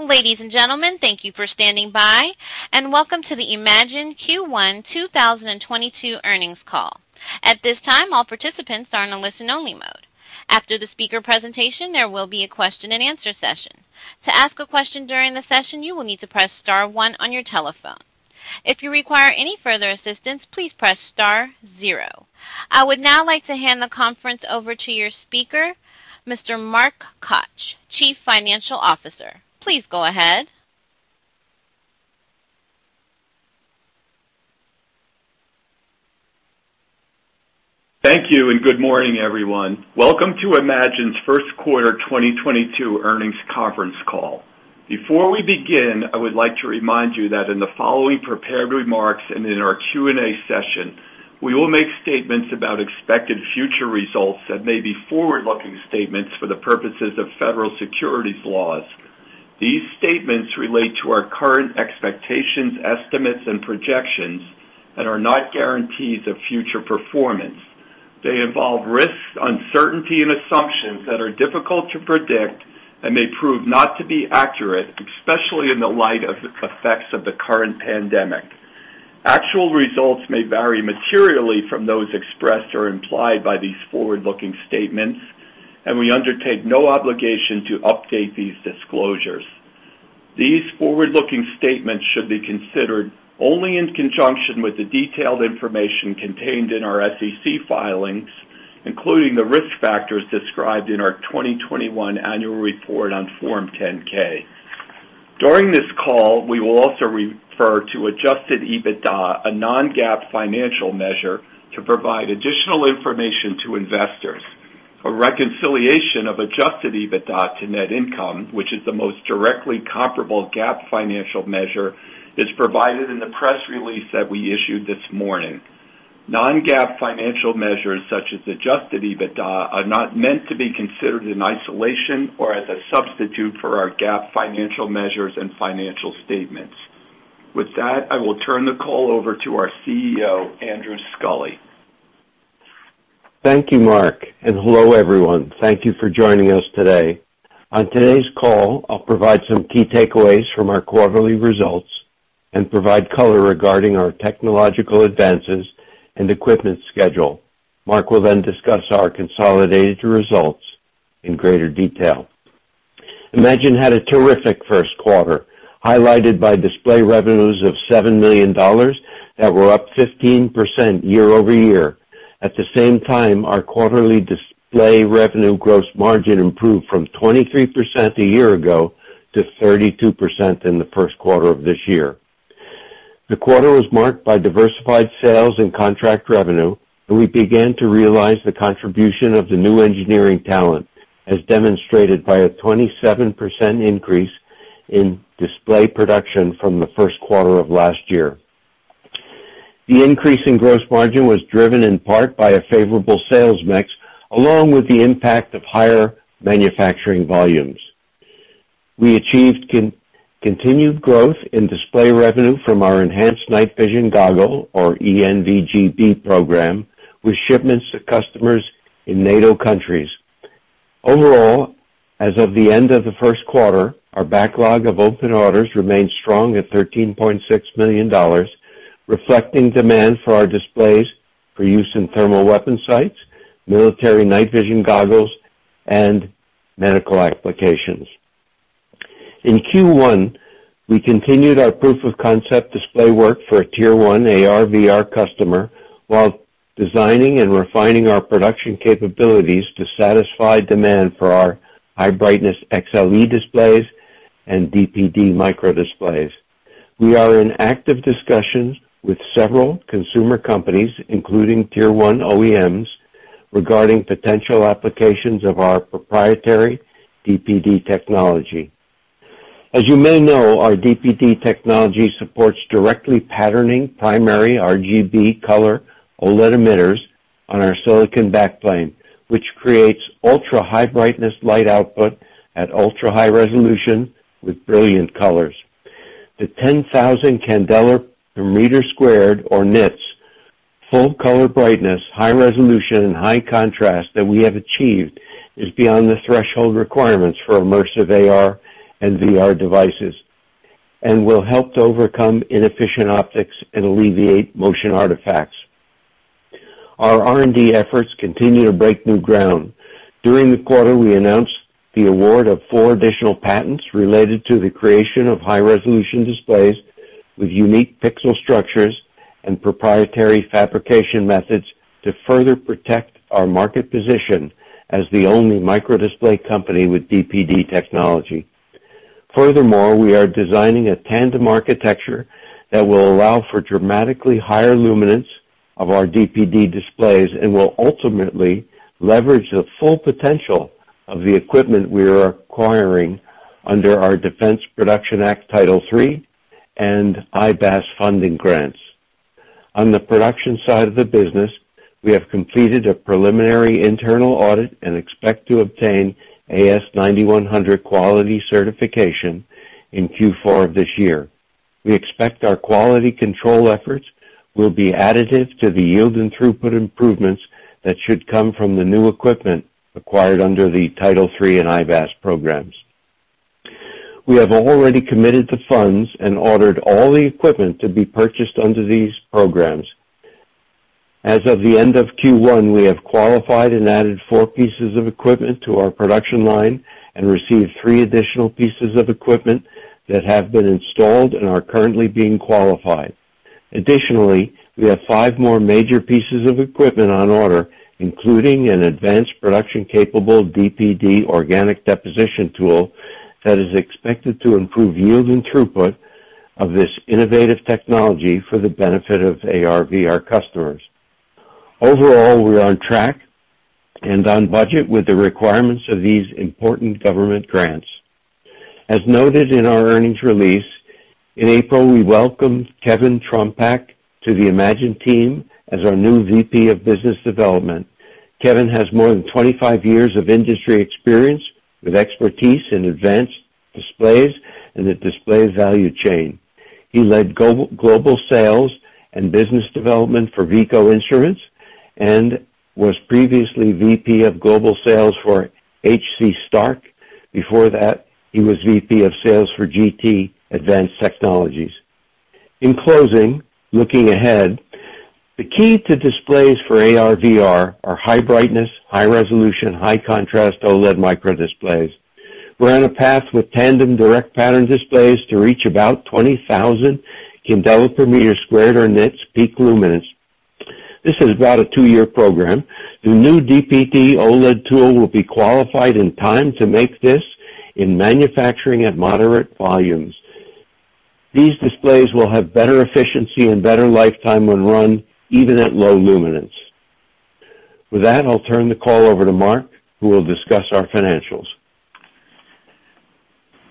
Ladies and gentlemen, thank you for standing by, and Welcome To The eMagin Q1 2022 Earnings Call. At this time, all participants are in a listen-only mode. After the speaker presentation, there will be a question-and-answer session. To ask a question during the session, you will need to press star one on your telephone. If you require any further assistance, please press star zero. I would now like to hand the conference over to your speaker, Mr. Mark Koch, Chief Financial Officer. Please go ahead. Thank you, and good morning, everyone. Welcome to eMagin's First Quarter 2022 Earnings Conference Call. Before we begin, I would like to remind you that in the following prepared remarks and in our Q&A session, we will make statements about expected future results that may be forward-looking statements for the purposes of federal securities laws. These statements relate to our current expectations, estimates, and projections and are not guarantees of future performance. They involve risks, uncertainty, and assumptions that are difficult to predict and may prove not to be accurate, especially in the light of effects of the current pandemic. Actual results may vary materially from those expressed or implied by these forward-looking statements, and we undertake no obligation to update these disclosures. These forward-looking statements should be considered only in conjunction with the detailed information contained in our SEC filings, including the risk factors described in our 2021 annual report on Form 10-K. During this call, we will also refer to adjusted EBITDA, a non-GAAP financial measure to provide additional information to investors. A reconciliation of adjusted EBITDA to net income, which is the most directly comparable GAAP financial measure, is provided in the press release that we issued this morning. Non-GAAP financial measures such as adjusted EBITDA are not meant to be considered in isolation or as a substitute for our GAAP financial measures and financial statements. With that, I will turn the call over to our CEO, Andrew G. Sculley. Thank you, Mark, and hello, everyone. Thank you for joining us today. On today's call, I'll provide some key takeaways from our quarterly results and provide color regarding our technological advances and equipment schedule. Mark will then discuss our consolidated results in greater detail. eMagin had a terrific first quarter, highlighted by display revenues of $7 million that were up 15% year-over-year. At the same time, our quarterly display revenue gross margin improved from 23% a year ago to 32% in the first quarter of this year. The quarter was marked by diversified sales and contract revenue, and we began to realize the contribution of the new engineering talent, as demonstrated by a 27% increase in display production from the first quarter of last year. The increase in gross margin was driven in part by a favorable sales mix, along with the impact of higher manufacturing volumes. We achieved continued growth in display revenue from our Enhanced Night Vision Goggle, or ENVG-B program, with shipments to customers in NATO countries. Overall, as of the end of the first quarter, our backlog of open orders remains strong at $13.6 million, reflecting demand for our displays for use in thermal weapon sites, military night vision goggles, and medical applications. In Q1, we continued our proof-of-concept display work for a tier-one AR/VR customer while designing and refining our production capabilities to satisfy demand for our high-brightness XLE displays and DPD micro displays. We are in active discussions with several consumer companies, including tier-one OEMs, regarding potential applications of our proprietary DPD technology. As you may know, our DPD technology supports directly patterning primary RGB color OLED emitters on our silicon backplane, which creates ultra-high brightness light output at ultra-high resolution with brilliant colors. The 10,000 candela per square meter, or nits, full-color brightness, high resolution, and high contrast that we have achieved is beyond the threshold requirements for immersive AR and VR devices and will help to overcome inefficient optics and alleviate motion artifacts. Our R&D efforts continue to break new ground. During the quarter, we announced the award of four additional patents related to the creation of high-resolution displays with unique pixel structures and proprietary fabrication methods to further protect our market position as the only micro display company with DPD technology. Furthermore, we are designing a tandem architecture that will allow for dramatically higher luminance of our DPD displays and will ultimately leverage the full potential of the equipment we are acquiring under our Defense Production Act Title III and IBAS funding grants. On the production side of the business, we have completed a preliminary internal audit and expect to obtain AS9100 quality certification in Q4 of this year. We expect our quality control efforts will be additive to the yield and throughput improvements that should come from the new equipment acquired under the Title III and IBAS programs. We have already committed the funds and ordered all the equipment to be purchased under these programs. As of the end of Q1, we have qualified and added four pieces of equipment to our production line and received three additional pieces of equipment that have been installed and are currently being qualified. Additionally, we have five more major pieces of equipment on order, including an advanced production-capable DPD organic deposition tool that is expected to improve yield and throughput of this innovative technology for the benefit of AR/VR customers. Overall, we're on track and on budget with the requirements of these important government grants. As noted in our earnings release, in April, we welcomed Kevin Trompak to the eMagin team as our new VP of Business Development. Kevin has more than 25 years of industry experience, with expertise in advanced displays and the display value chain. He led global sales and business development for Veeco Instruments and was previously VP of Global Sales for H.C. Starck. Before that, he was VP of Sales for GT Advanced Technologies. In closing, looking ahead, the key to displays for AR/VR are high brightness, high resolution, high-contrast OLED micro displays. We're on a path with tandem direct pattern displays to reach about 20,000 candela per meter squared or nits peak luminance. This is about a 2-year program. The new DPD OLED tool will be qualified in time to make this in manufacturing at moderate volumes. These displays will have better efficiency and better lifetime when run, even at low luminance. With that, I'll turn the call over to Mark, who will discuss our financials.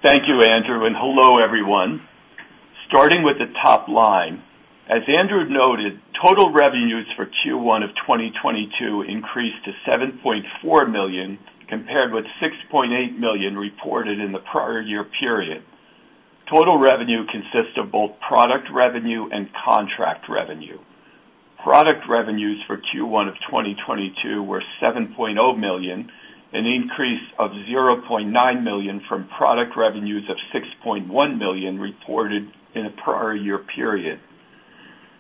Thank you, Andrew, and hello, everyone. Starting with the top line, as Andrew noted, total revenues for Q1 of 2022 increased to $7.4 million, compared with $6.8 million reported in the prior year period. Total revenue consists of both product revenue and contract revenue. Product revenues for Q1 of 2022 were $7.0 million, an increase of $0.9 million from product revenues of $6.1 million reported in the prior year period.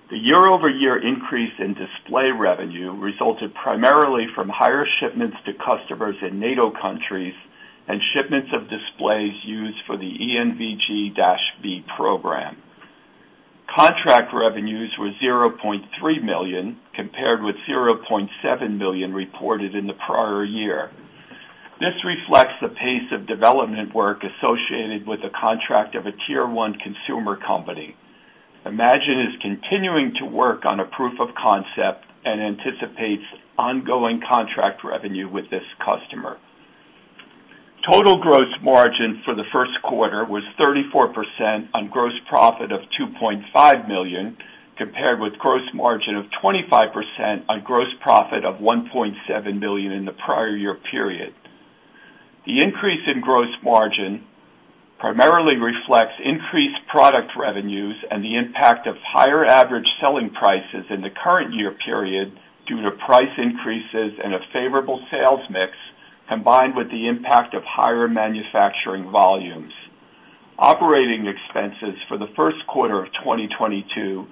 The year-over-year increase in display revenue resulted primarily from higher shipments to customers in NATO countries and shipments of displays used for the ENVG-B program. Contract revenues were $0.3 million, compared with $0.7 million reported in the prior year. This reflects the pace of development work associated with the contract of a Tier One consumer company. eMagin is continuing to work on a proof of concept and anticipates ongoing contract revenue with this customer. Total gross margin for the first quarter was 34% on gross profit of $2.5 million, compared with gross margin of 25% on gross profit of $1.7 million in the prior year period. The increase in gross margin primarily reflects increased product revenues and the impact of higher average selling prices in the current year period due to price increases and a favorable sales mix, combined with the impact of higher manufacturing volumes. Operating expenses for the first quarter of 2022,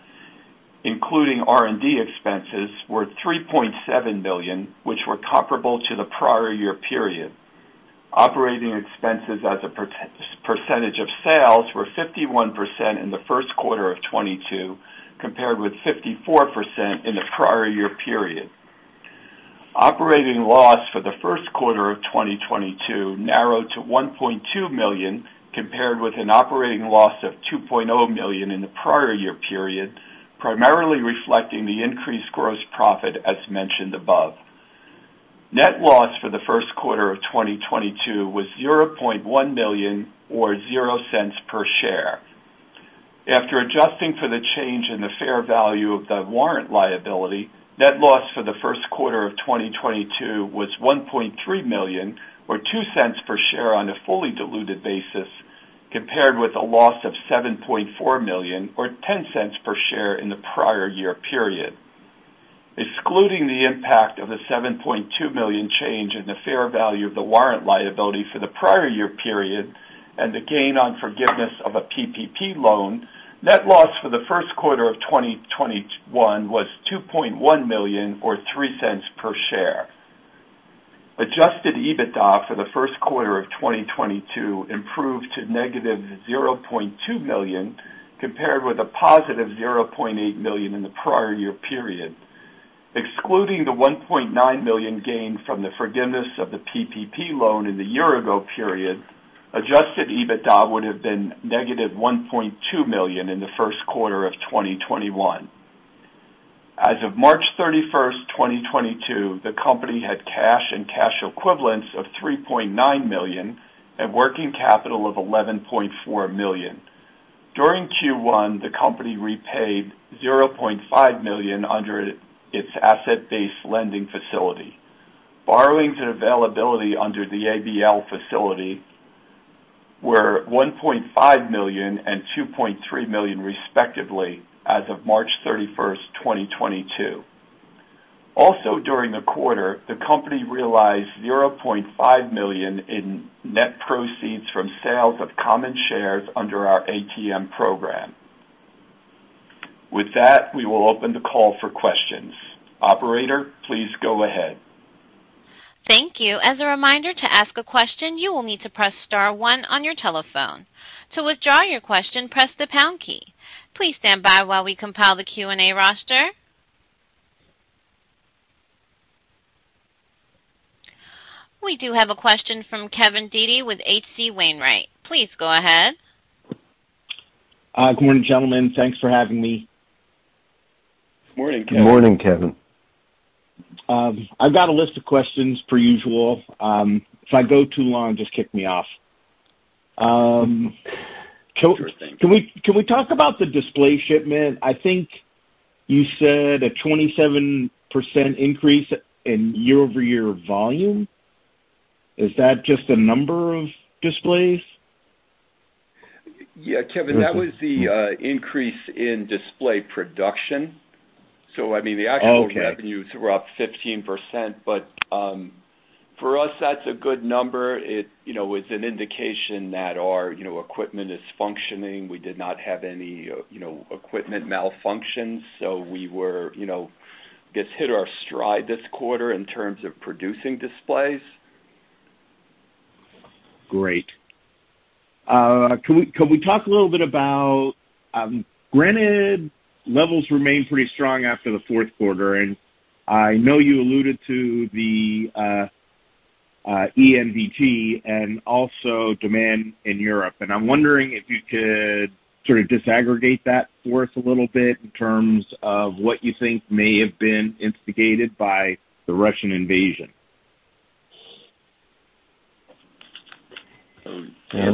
including R&D expenses, were $3.7 million, which were comparable to the prior year period. Operating expenses as a percentage of sales were 51% in the first quarter of 2022, compared with 54% in the prior year period. Operating loss for the first quarter of 2022 narrowed to $1.2 million, compared with an operating loss of $2.0 million in the prior year period, primarily reflecting the increased gross profit, as mentioned above. Net loss for the first quarter of 2022 was $0.1 million or $0.00 per share. After adjusting for the change in the fair value of the warrant liability, net loss for the first quarter of 2022 was $1.3 million or $0.02 per share on a fully diluted basis, compared with a loss of $7.4 million or $0.10 per share in the prior year period. Excluding the impact of the $7.2 million change in the fair value of the warrant liability for the prior year period and the gain on forgiveness of a PPP loan, net loss for the first quarter of 2021 was $2.1 million or $0.03 per share. Adjusted EBITDA for the first quarter of 2022 improved to -$0.2 million, compared with a positive $0.8 million in the prior year period. Excluding the $1.9 million gain from the forgiveness of the PPP loan in the year-ago period, adjusted EBITDA would have been -$1.2 million in the first quarter of 2021. As of March 31, 2022, the company had cash and cash equivalents of $3.9 million and working capital of $11.4 million. During Q1, the company repaid $0.5 million under its asset-based lending facility. Borrowings and availability under the ABL facility were $1.5 million and $2.3 million respectively as of March 31, 2022. Also, during the quarter, the company realized $0.5 million in net proceeds from sales of common shares under our ATM program. With that, we will open the call for questions. Operator, please go ahead. Thank you. As a reminder, to ask a question, you will need to press star one on your telephone. To withdraw your question, press the pound key. Please stand by while we compile the Q&A roster. We do have a question from Kevin Dede with H.C. Wainwright. Please go ahead. Good morning, gentlemen. Thanks for having me. Morning, Kevin. Morning, Kevin. I've got a list of questions per usual. If I go too long, just kick me off. Sure thing. Can we talk about the display shipment? I think you said a 27% increase in year-over-year volume. Is that just the number of displays? Yeah, Kevin, that was the increase in display production. I mean, the actual- Okay. Revenue is up 15%. But for us, that's a good number. It, you know, is an indication that our, you know, equipment is functioning. We did not have any, you know, equipment malfunctions, so we you know, just hit our stride this quarter in terms of producing displays. Great. Can we talk a little bit about granted levels remain pretty strong after the fourth quarter, and I know you alluded to the ENVG-B and also demand in Europe. I'm wondering if you could sort of disaggregate that for us a little bit in terms of what you think may have been instigated by the Russian invasion? Let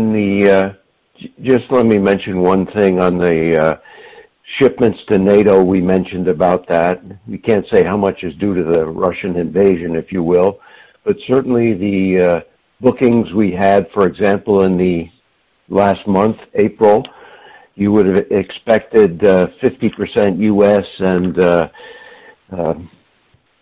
me mention one thing on the shipments to NATO. We mentioned about that. We can't say how much is due to the Russian invasion, if you will. Certainly, the bookings we had, for example, in the last month, April, you would have expected, 50% U.S. and,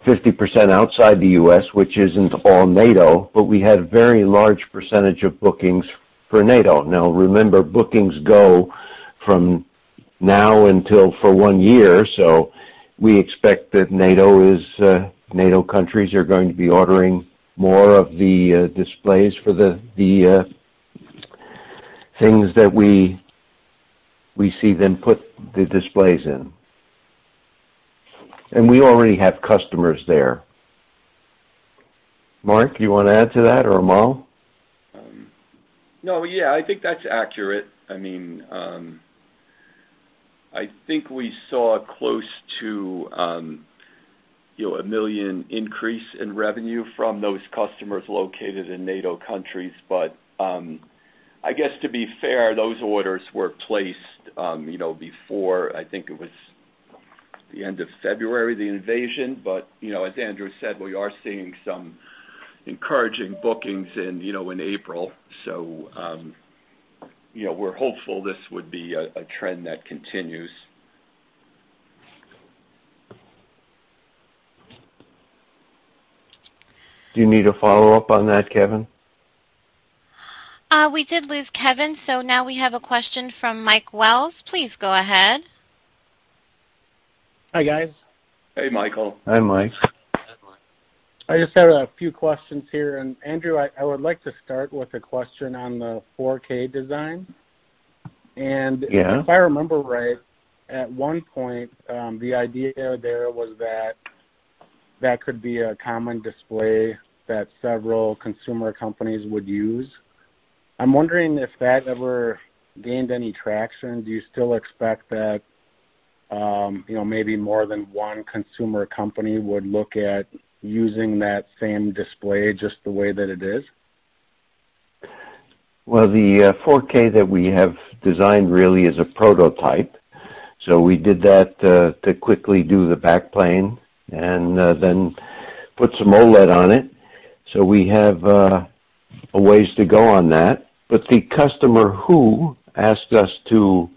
50% outside the U.S., which isn't all NATO, but we had a very large percentage of bookings for NATO. Now, remember, bookings go from now until for one year, so we expect that NATO countries are going to be ordering more of the displays for the things that we see them put the displays in. We already have customers there. Mark, do you wanna add to that or Amal? No, yeah. I think that's accurate. I mean, I think we saw close to, you know, a $1 million increase in revenue from those customers located in NATO countries. I guess to be fair, those orders were placed, you know, before, I think it was the end of February, the invasion. You know, as Andrew said, we are seeing some encouraging bookings in, you know, in April. You know, we're hopeful this would be a trend that continues. Do you need a follow-up on that, Kevin? We did lose Kevin, so now we have a question from Mike Wells. Please go ahead. Hi, guys. Hey, Michael. Hi, Mike. Hi, Mike. I just have a few questions here. Andrew, I would like to start with a question on the 4K design. Yeah. If I remember right, at one point, the idea there was that that could be a common display that several consumer companies would use. I'm wondering if that ever gained any traction. Do you still expect that, you know, maybe more than one consumer company would look at using that same display just the way that it is? Well, the 4K that we have designed really is a prototype. We did that to quickly do the backplane and then put some OLED on it. We have a ways to go on that. The customer who asked us to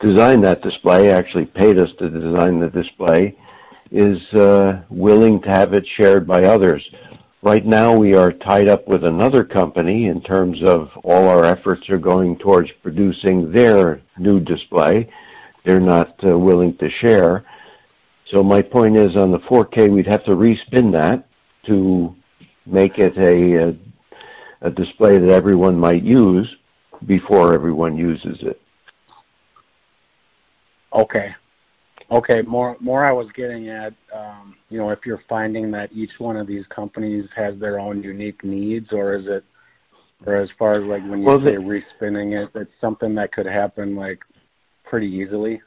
design that display actually paid us to design the display is willing to have it shared by others. Right now, we are tied up with another company in terms of all our efforts are going towards producing their new display. They're not willing to share. My point is, on the 4K, we'd have to respin that to make it a display that everyone might use before everyone uses it. Okay. More I was getting at, you know, if you're finding that each one of these companies has their own unique needs, or as far as, like, when you say re-spinning it's something that could happen, like, pretty easily?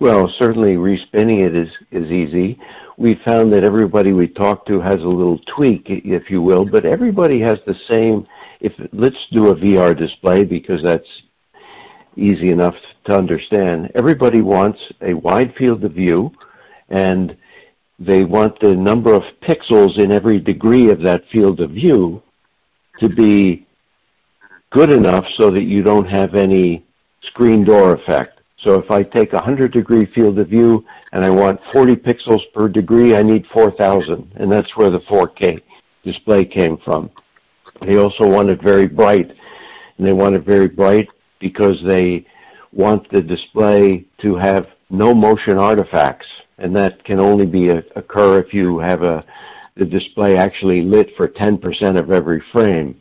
Well, certainly re-spinning it is easy. We found that everybody we talk to has a little tweak, if you will, but everybody has the same. Let's do a VR display because that's easy enough to understand. Everybody wants a wide field of view, and they want the number of pixels in every degree of that field of view to be good enough so that you don't have any screen door effect. If I take a 100-degree field of view, and I want 40 pixels per degree, I need 4,000, and that's where the 4K display came from. They also want it very bright, and they want it very bright because they want the display to have no motion artifacts, and that can only occur if you have the display actually lit for 10% of every frame.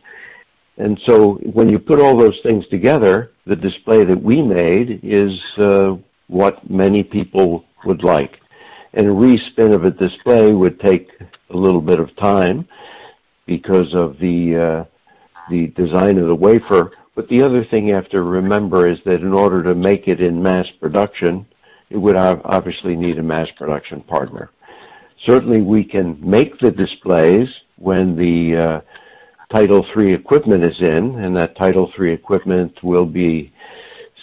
When you put all those things together, the display that we made is what many people would like. A re-spin of a display would take a little bit of time because of the design of the wafer. The other thing you have to remember is that in order to make it in mass production, it would obviously need a mass production partner. Certainly, we can make the displays when the Title III equipment is in, and that Title III equipment will be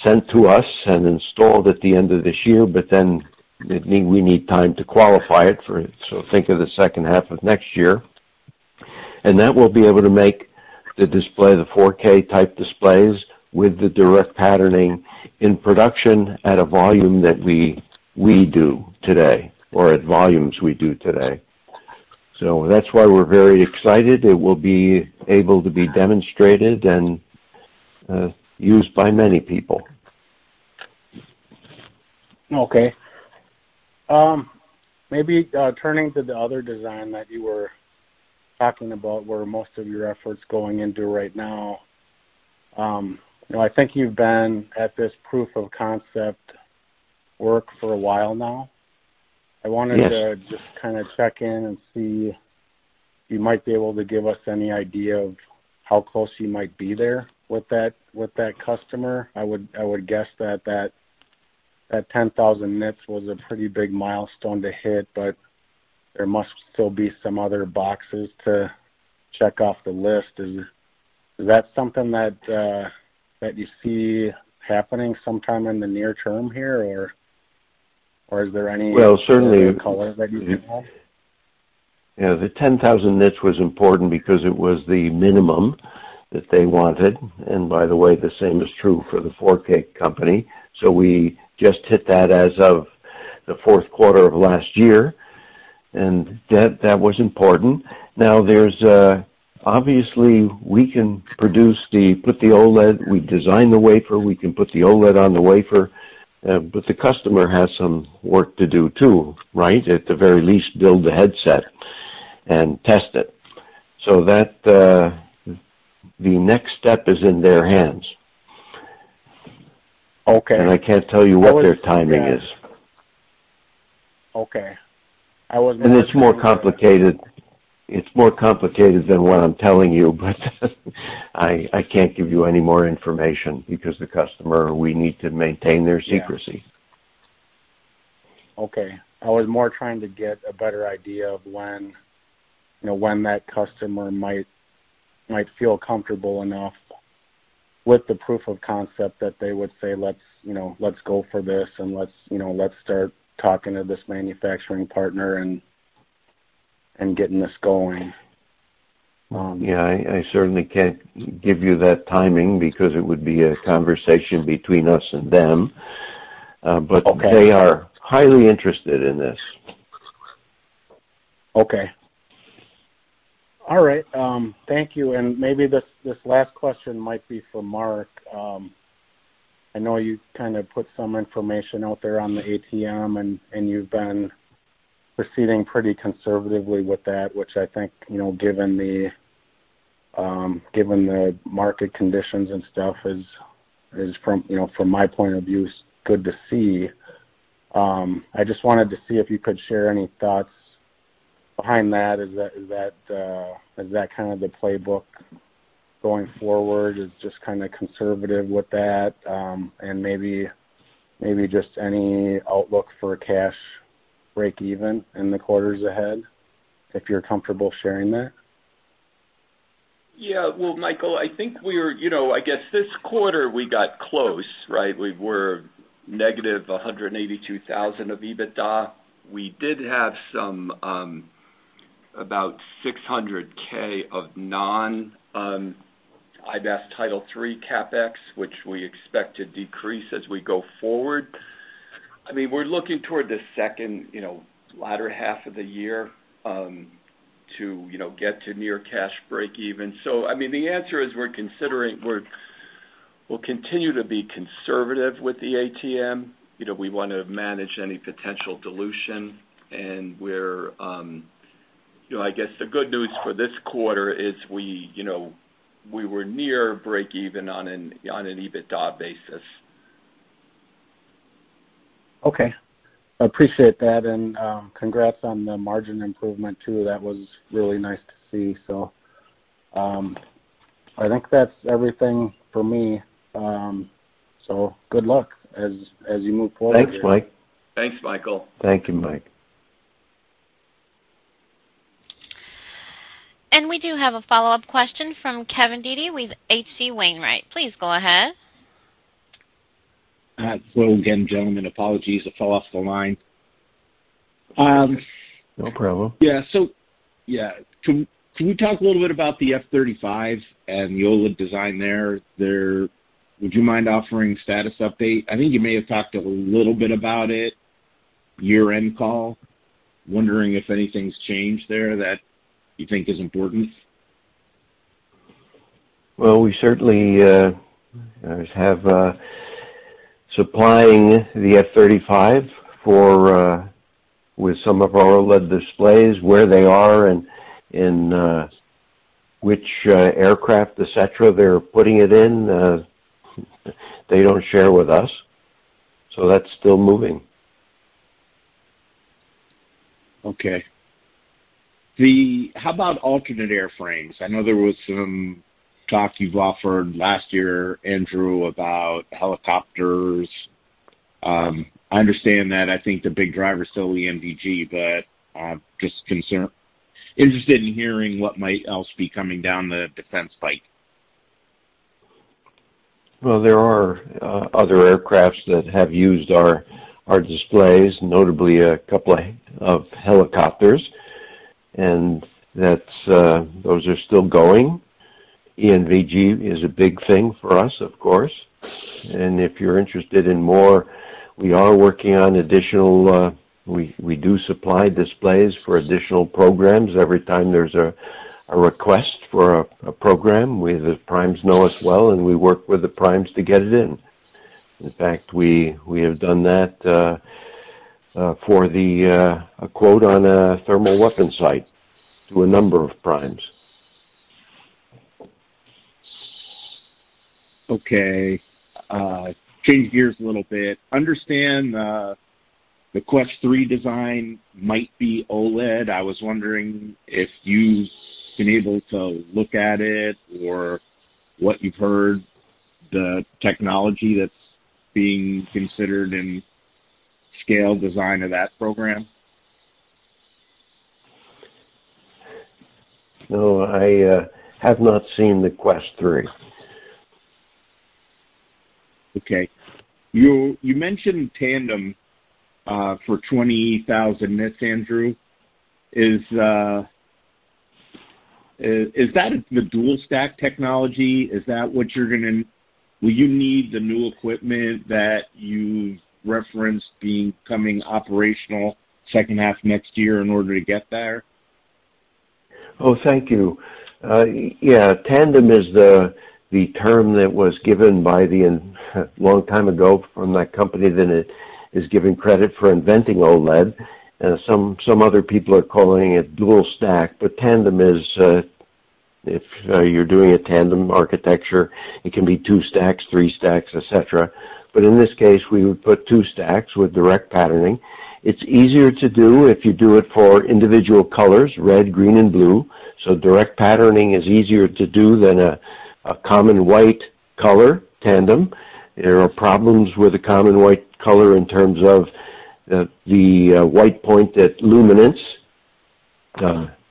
sent to us and installed at the end of this year. Then it mean we need time to qualify it for, so think of the second half of next year. That will be able to make the display, the 4K-type displays with the direct patterning in production at a volume that we do today, or at volumes we do today. That's why we're very excited. It will be able to be demonstrated and used by many people. Okay. Maybe turning to the other design that you were talking about, where most of your efforts going into right now. You know, I think you've been at this proof of concept work for a while now. Yes. I wanted to just kinda check in and see if you might be able to give us any idea of how close you might be there with that, with that customer. I would guess that 10,000 nits was a pretty big milestone to hit, but there must still be some other boxes to check off the list. Is that something that you see happening sometime in the near term here, or is there any- Well, certainly. Color that you can add? You know, the 10,000 nits was important because it was the minimum that they wanted. By the way, the same is true for the 4K company. We just hit that as of the fourth quarter of last year, and that was important. Now, there is obviously we can put the OLED, we design the wafer, we can put the OLED on the wafer, but the customer has some work to do too, right? At the very least, build the headset and test it. That, the next step is in their hands. Okay. I can't tell you what their timing is. Okay. It's more complicated than what I'm telling you, but I can't give you any more information because the customer, we need to maintain their secrecy. Yeah. Okay. I was more trying to get a better idea of when, you know, when that customer might feel comfortable enough with the proof of concept that they would say, Let's, you know, let's go for this, and let's, you know, let's start talking to this manufacturing partner and getting this going. Yeah. I certainly can't give you that timing because it would be a conversation between us and them. Okay. They are highly interested in this. Okay. All right, thank you. Maybe this last question might be for Mark. I know you kinda put some information out there on the ATM, and you've been proceeding pretty conservatively with that, which I think, you know, given the market conditions and stuff is from my point of view good to see. I just wanted to see if you could share any thoughts behind that. Is that kind of the playbook going forward, just kinda conservative with that, and maybe just any outlook for cash break even in the quarters ahead, if you're comfortable sharing that? Yeah. Well, Michael, I think we're you know, I guess this quarter we got close, right? We were negative $182,000 of EBITDA. We did have some about $600K of non, I'd guess Title III CapEx, which we expect to decrease as we go forward. I mean, we're looking toward the second, you know, latter half of the year to you know, get to near cash break even. I mean, the answer is we're considering we'll continue to be conservative with the ATM. You know, we wanna manage any potential dilution, and we're you know, I guess the good news for this quarter is we you know, we were near break even on an EBITDA basis. Okay. I appreciate that, and, congrats on the margin improvement too. That was really nice to see. I think that's everything for me. Good luck as you move forward here. Thanks, Mike. Thanks, Michael. Thank you, Mike. We do have a follow-up question from Kevin Dede with H.C. Wainwright. Please go ahead. Hello again, gentlemen. Apologies, I fell off the line. No problem. Yeah. Yeah. Can we talk a little bit about the F-35 and the OLED design there? Would you mind offering status update? I think you may have talked a little bit about it year-end call. Wondering if anything's changed there that you think is important. Well, we certainly have supplying the F-35 with some of our OLED displays, where they are and which aircraft, et cetera, they're putting it in. They don't share with us, so that's still moving. Okay. How about alternate airframes? I know there was some talk you've offered last year, Andrew, about helicopters. I understand that, I think the big driver is still the ENVG, but just concerned. Interested in hearing what might else be coming down the defense pipe. Well, there are other aircraft that have used our displays, notably a couple of helicopters, and that's those are still going. ENVG is a big thing for us, of course. If you're interested in more, we are working on additional. We do supply displays for additional programs. Every time there's a request for a program, the primes know us well, and we work with the primes to get it in. In fact, we have done that for a quote on a thermal weapon sight to a number of primes. Okay. Change gears a little bit. Understand, the Quest 3 design might be OLED. I was wondering if you've been able to look at it or what you've heard the technology that's being considered in scale design of that program? No, I have not seen the Quest 3. Okay. You mentioned tandem for 20,000 nits, Andrew. Is that the dual stack technology? Will you need the new equipment that you referenced becoming operational second half next year in order to get there? Oh, thank you. Yeah. Tandem is the term that was given by long time ago from that company that it is giving credit for inventing OLED. Some other people are calling it dual stack, but tandem is. If you're doing a tandem architecture, it can be two stacks, three stacks, et cetera. In this case, we would put two stacks with direct patterning. It's easier to do if you do it for individual colors, red, green, and blue. Direct patterning is easier to do than a common white color tandem. There are problems with the common white color in terms of the white point at luminance,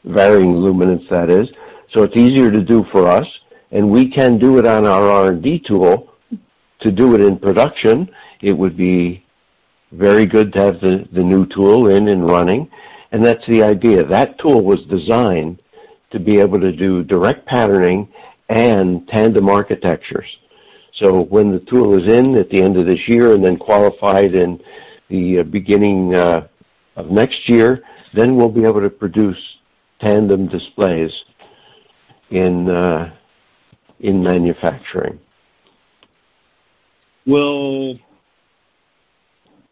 varying luminance that is. It's easier to do for us, and we can do it on our R&D tool. To do it in production, it would be very good to have the new tool in and running, and that's the idea. That tool was designed to be able to do direct patterning and tandem architectures. When the tool is in at the end of this year and then qualified in the beginning of next year, then we'll be able to produce tandem displays in manufacturing. Will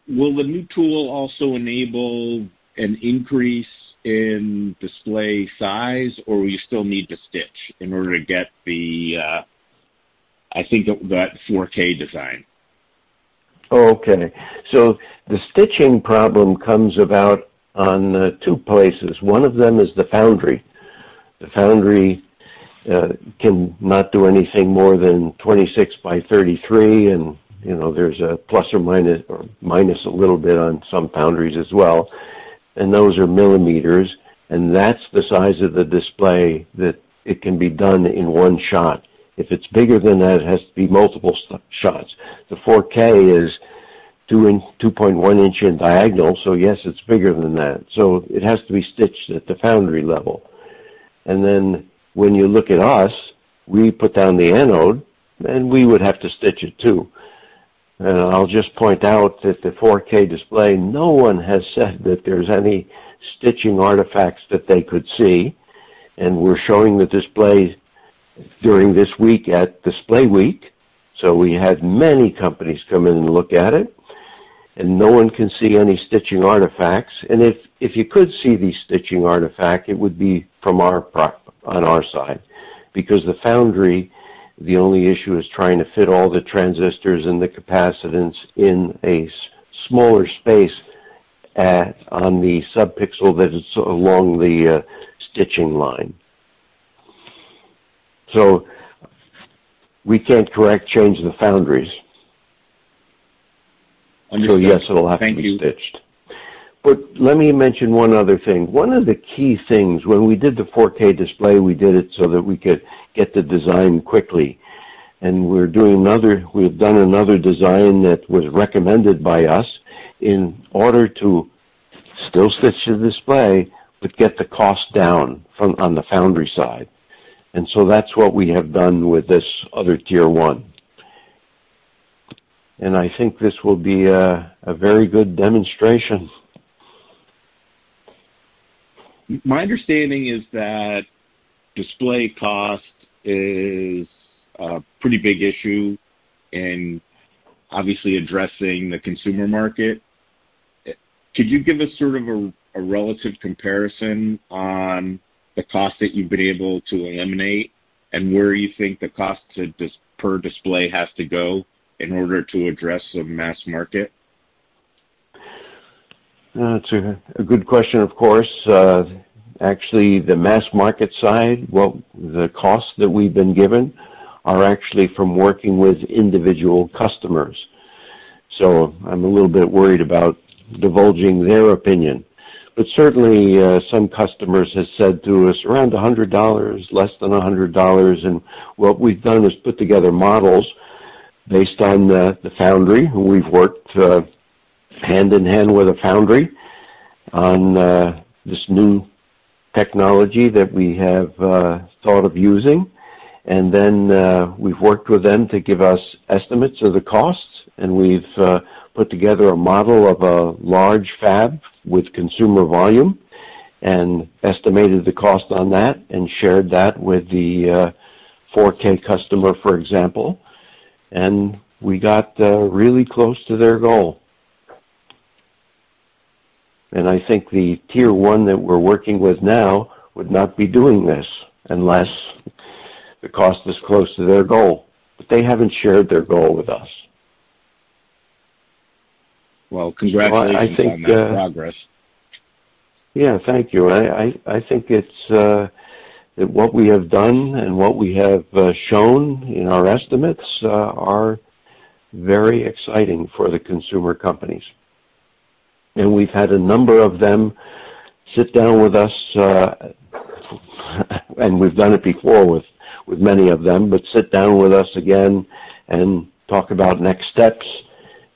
the new tool also enable an increase in display size, or will you still need to stitch in order to get the, I think that 4K design? Okay. The stitching problem comes about on two places. One of them is the foundry. The foundry can not do anything more than 26 by 33, and, you know, there's a plus or minus, or minus a little bit on some foundries as well, and those are millimeters. That's the size of the display that it can be done in one shot. If it's bigger than that, it has to be multiple shots. The 4K is 2.1-inch diagonal, so yes, it's bigger than that. It has to be stitched at the foundry level. When you look at us, we put down the anode, and we would have to stitch it too. I'll just point out that the 4K display, no one has said that there's any stitching artifacts that they could see, and we're showing the display during this week at Display Week, so we had many companies come in and look at it, and no one can see any stitching artifacts. If you could see the stitching artifact, it would be from our process on our side. Because the foundry, the only issue is trying to fit all the transistors and the capacitance in a smaller space on the sub-pixel that is along the stitching line. We can't correct or change the foundries. Yes, it'll have to be stitched. Let me mention one other thing. One of the key things when we did the 4K display, we did it so that we could get the design quickly. We've done another design that was recommended by us in order to still stitch the display but get the cost down on the foundry side. That's what we have done with this other tier one. I think this will be a very good demonstration. My understanding is that display cost is a pretty big issue in obviously addressing the consumer market. Could you give us sort of a relative comparison on the cost that you've been able to eliminate and where you think the cost per display has to go in order to address the mass market? That's a good question, of course. Actually, the mass market side, well, the costs that we've been given are actually from working with individual customers. I'm a little bit worried about divulging their opinion. Certainly, some customers have said to us, around $100, less than $100. What we've done is put together models based on the foundry who we've worked hand in hand with a foundry on this new technology that we have thought of using. We've worked with them to give us estimates of the costs, and we've put together a model of a large fab with consumer volume and estimated the cost on that and shared that with the 4K customer, for example. We got really close to their goal. I think the tier one that we're working with now would not be doing this unless the cost is close to their goal. They haven't shared their goal with us. Well, congratulations. Well, I think. on that progress. Yeah. Thank you. I think it's what we have done and what we have shown in our estimates are very exciting for the consumer companies. We've had a number of them sit down with us, and we've done it before with many of them, but sit down with us again and talk about next steps,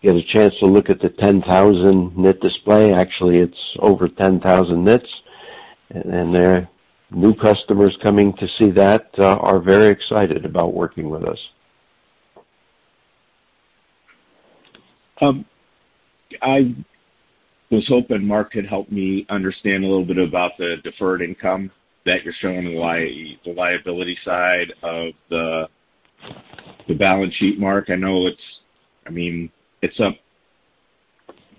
get a chance to look at the 10,000 nit display. Actually, it's over 10,000 nits. There are new customers coming to see that are very excited about working with us. I was hoping Mark could help me understand a little bit about the deferred income that you're showing, why the liability side of the balance sheet, Mark. I know it's, I mean, it's up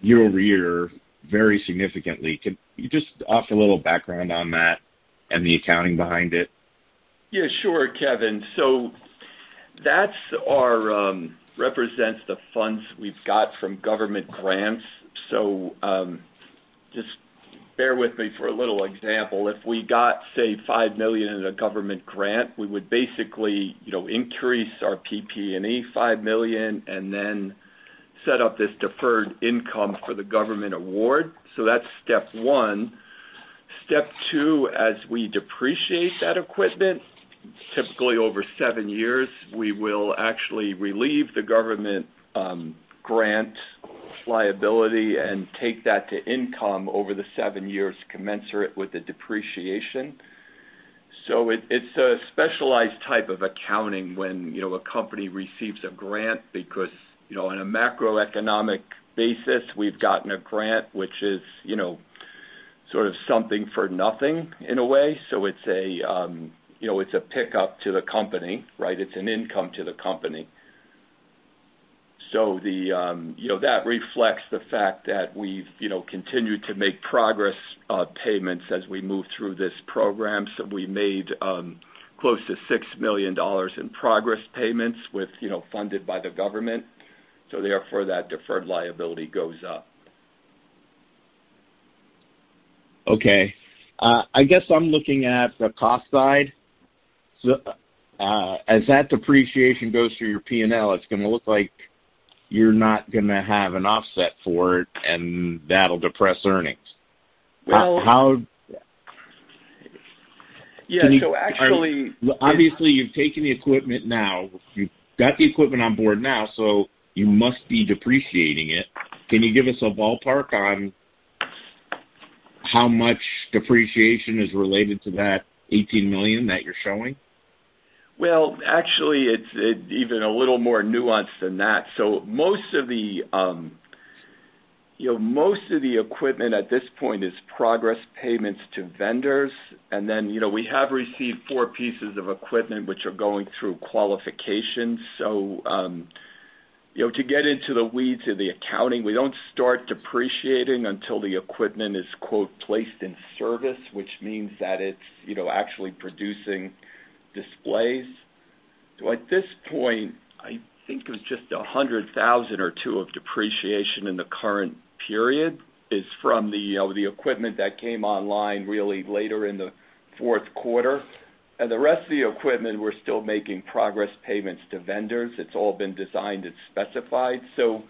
year-over-year very significantly. Can you just offer a little background on that and the accounting behind it? Yeah, sure, Kevin. That represents the funds we've got from government grants. Just bear with me for a little example. If we got, say, $5 million in a government grant, we would basically, you know, increase our PP&E $5 million and then set up this deferred income for the government award. That's step one. Step two, as we depreciate that equipment, typically over 7 years, we will actually relieve the government grant liability and take that to income over the 7 years commensurate with the depreciation. It's a specialized type of accounting when, you know, a company receives a grant because, you know, on a macroeconomic basis, we've gotten a grant, which is, you know, sort of something for nothing in a way. It's a you know, it's a pickup to the company, right? It's an income to the company. The you know that reflects the fact that we've you know continued to make progress payments as we move through this program. We made close to $6 million in progress payments with you know funded by the government. Therefore that deferred liability goes up. Okay. I guess I'm looking at the cost side. As that depreciation goes through your P&L, it's gonna look like you're not gonna have an offset for it, and that'll depress earnings. Well- How... Yeah. Actually. Obviously, you've taken the equipment now. You've got the equipment on board now, so you must be depreciating it. Can you give us a ballpark on how much depreciation is related to that $18 million that you're showing? Well, actually, it's even a little more nuanced than that. Most of the equipment at this point is progress payments to vendors. You know, we have received 4 pieces of equipment which are going through qualification. You know, to get into the weeds of the accounting, we don't start depreciating until the equipment is, quote, "Placed in service, which means that it's, you know, actually producing displays. At this point, I think it was just $100,000 or $200,000 of depreciation in the current period from the, you know, the equipment that came online really later in the fourth quarter. The rest of the equipment, we're still making progress payments to vendors. It's all been designed and specified. So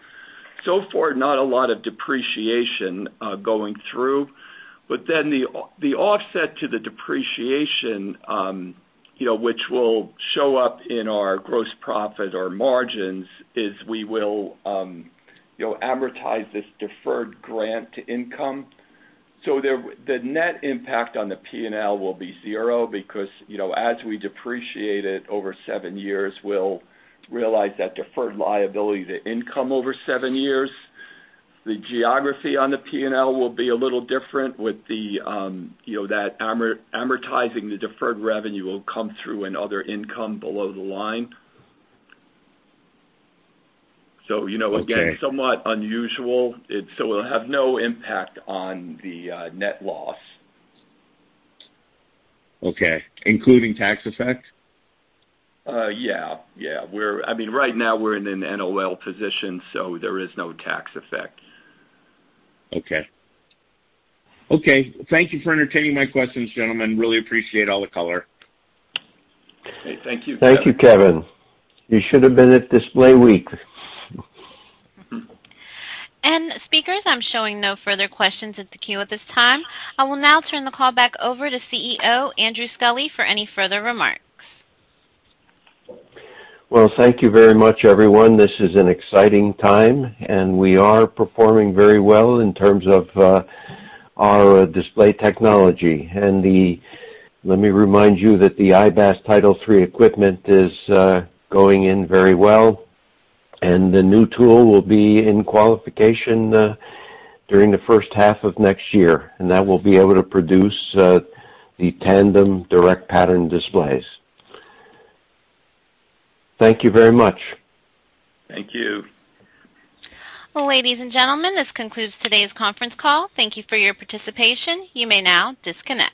far, not a lot of depreciation going through. The offset to the depreciation, you know, which will show up in our gross profit or margins is we will, you know, amortize this deferred grant income. So, there the net impact on the P&L will be zero because, you know, as we depreciate it over 7 years, we'll realize that deferred liability to income over 7 years. The geography on the P&L will be a little different with the, you know, that amortizing the deferred revenue will come through in other income below the line. So, you know, again. Okay. Somewhat unusual. It still will have no impact on the net loss. Okay, including tax effect? I mean, right now we're in an NOL position, so there is no tax effect. Okay. Okay, thank you for entertaining my questions, gentlemen. Really appreciate all the color. Okay, thank you. Thank you, Kevin. You should have been at Display Week. Speakers, I'm showing no further questions in the queue at this time. I will now turn the call back over to CEO, Andrew G. Sculley, for any further remarks. Well, thank you very much, everyone. This is an exciting time, and we are performing very well in terms of our display technology. Let me remind you that the IBAS Title III equipment is going in very well, and the new tool will be in qualification during the first half of next year, and that will be able to produce the tandem direct pattern displays. Thank you very much. Thank you. Ladies and gentlemen, this concludes today's conference call. Thank you for your participation. You may now disconnect.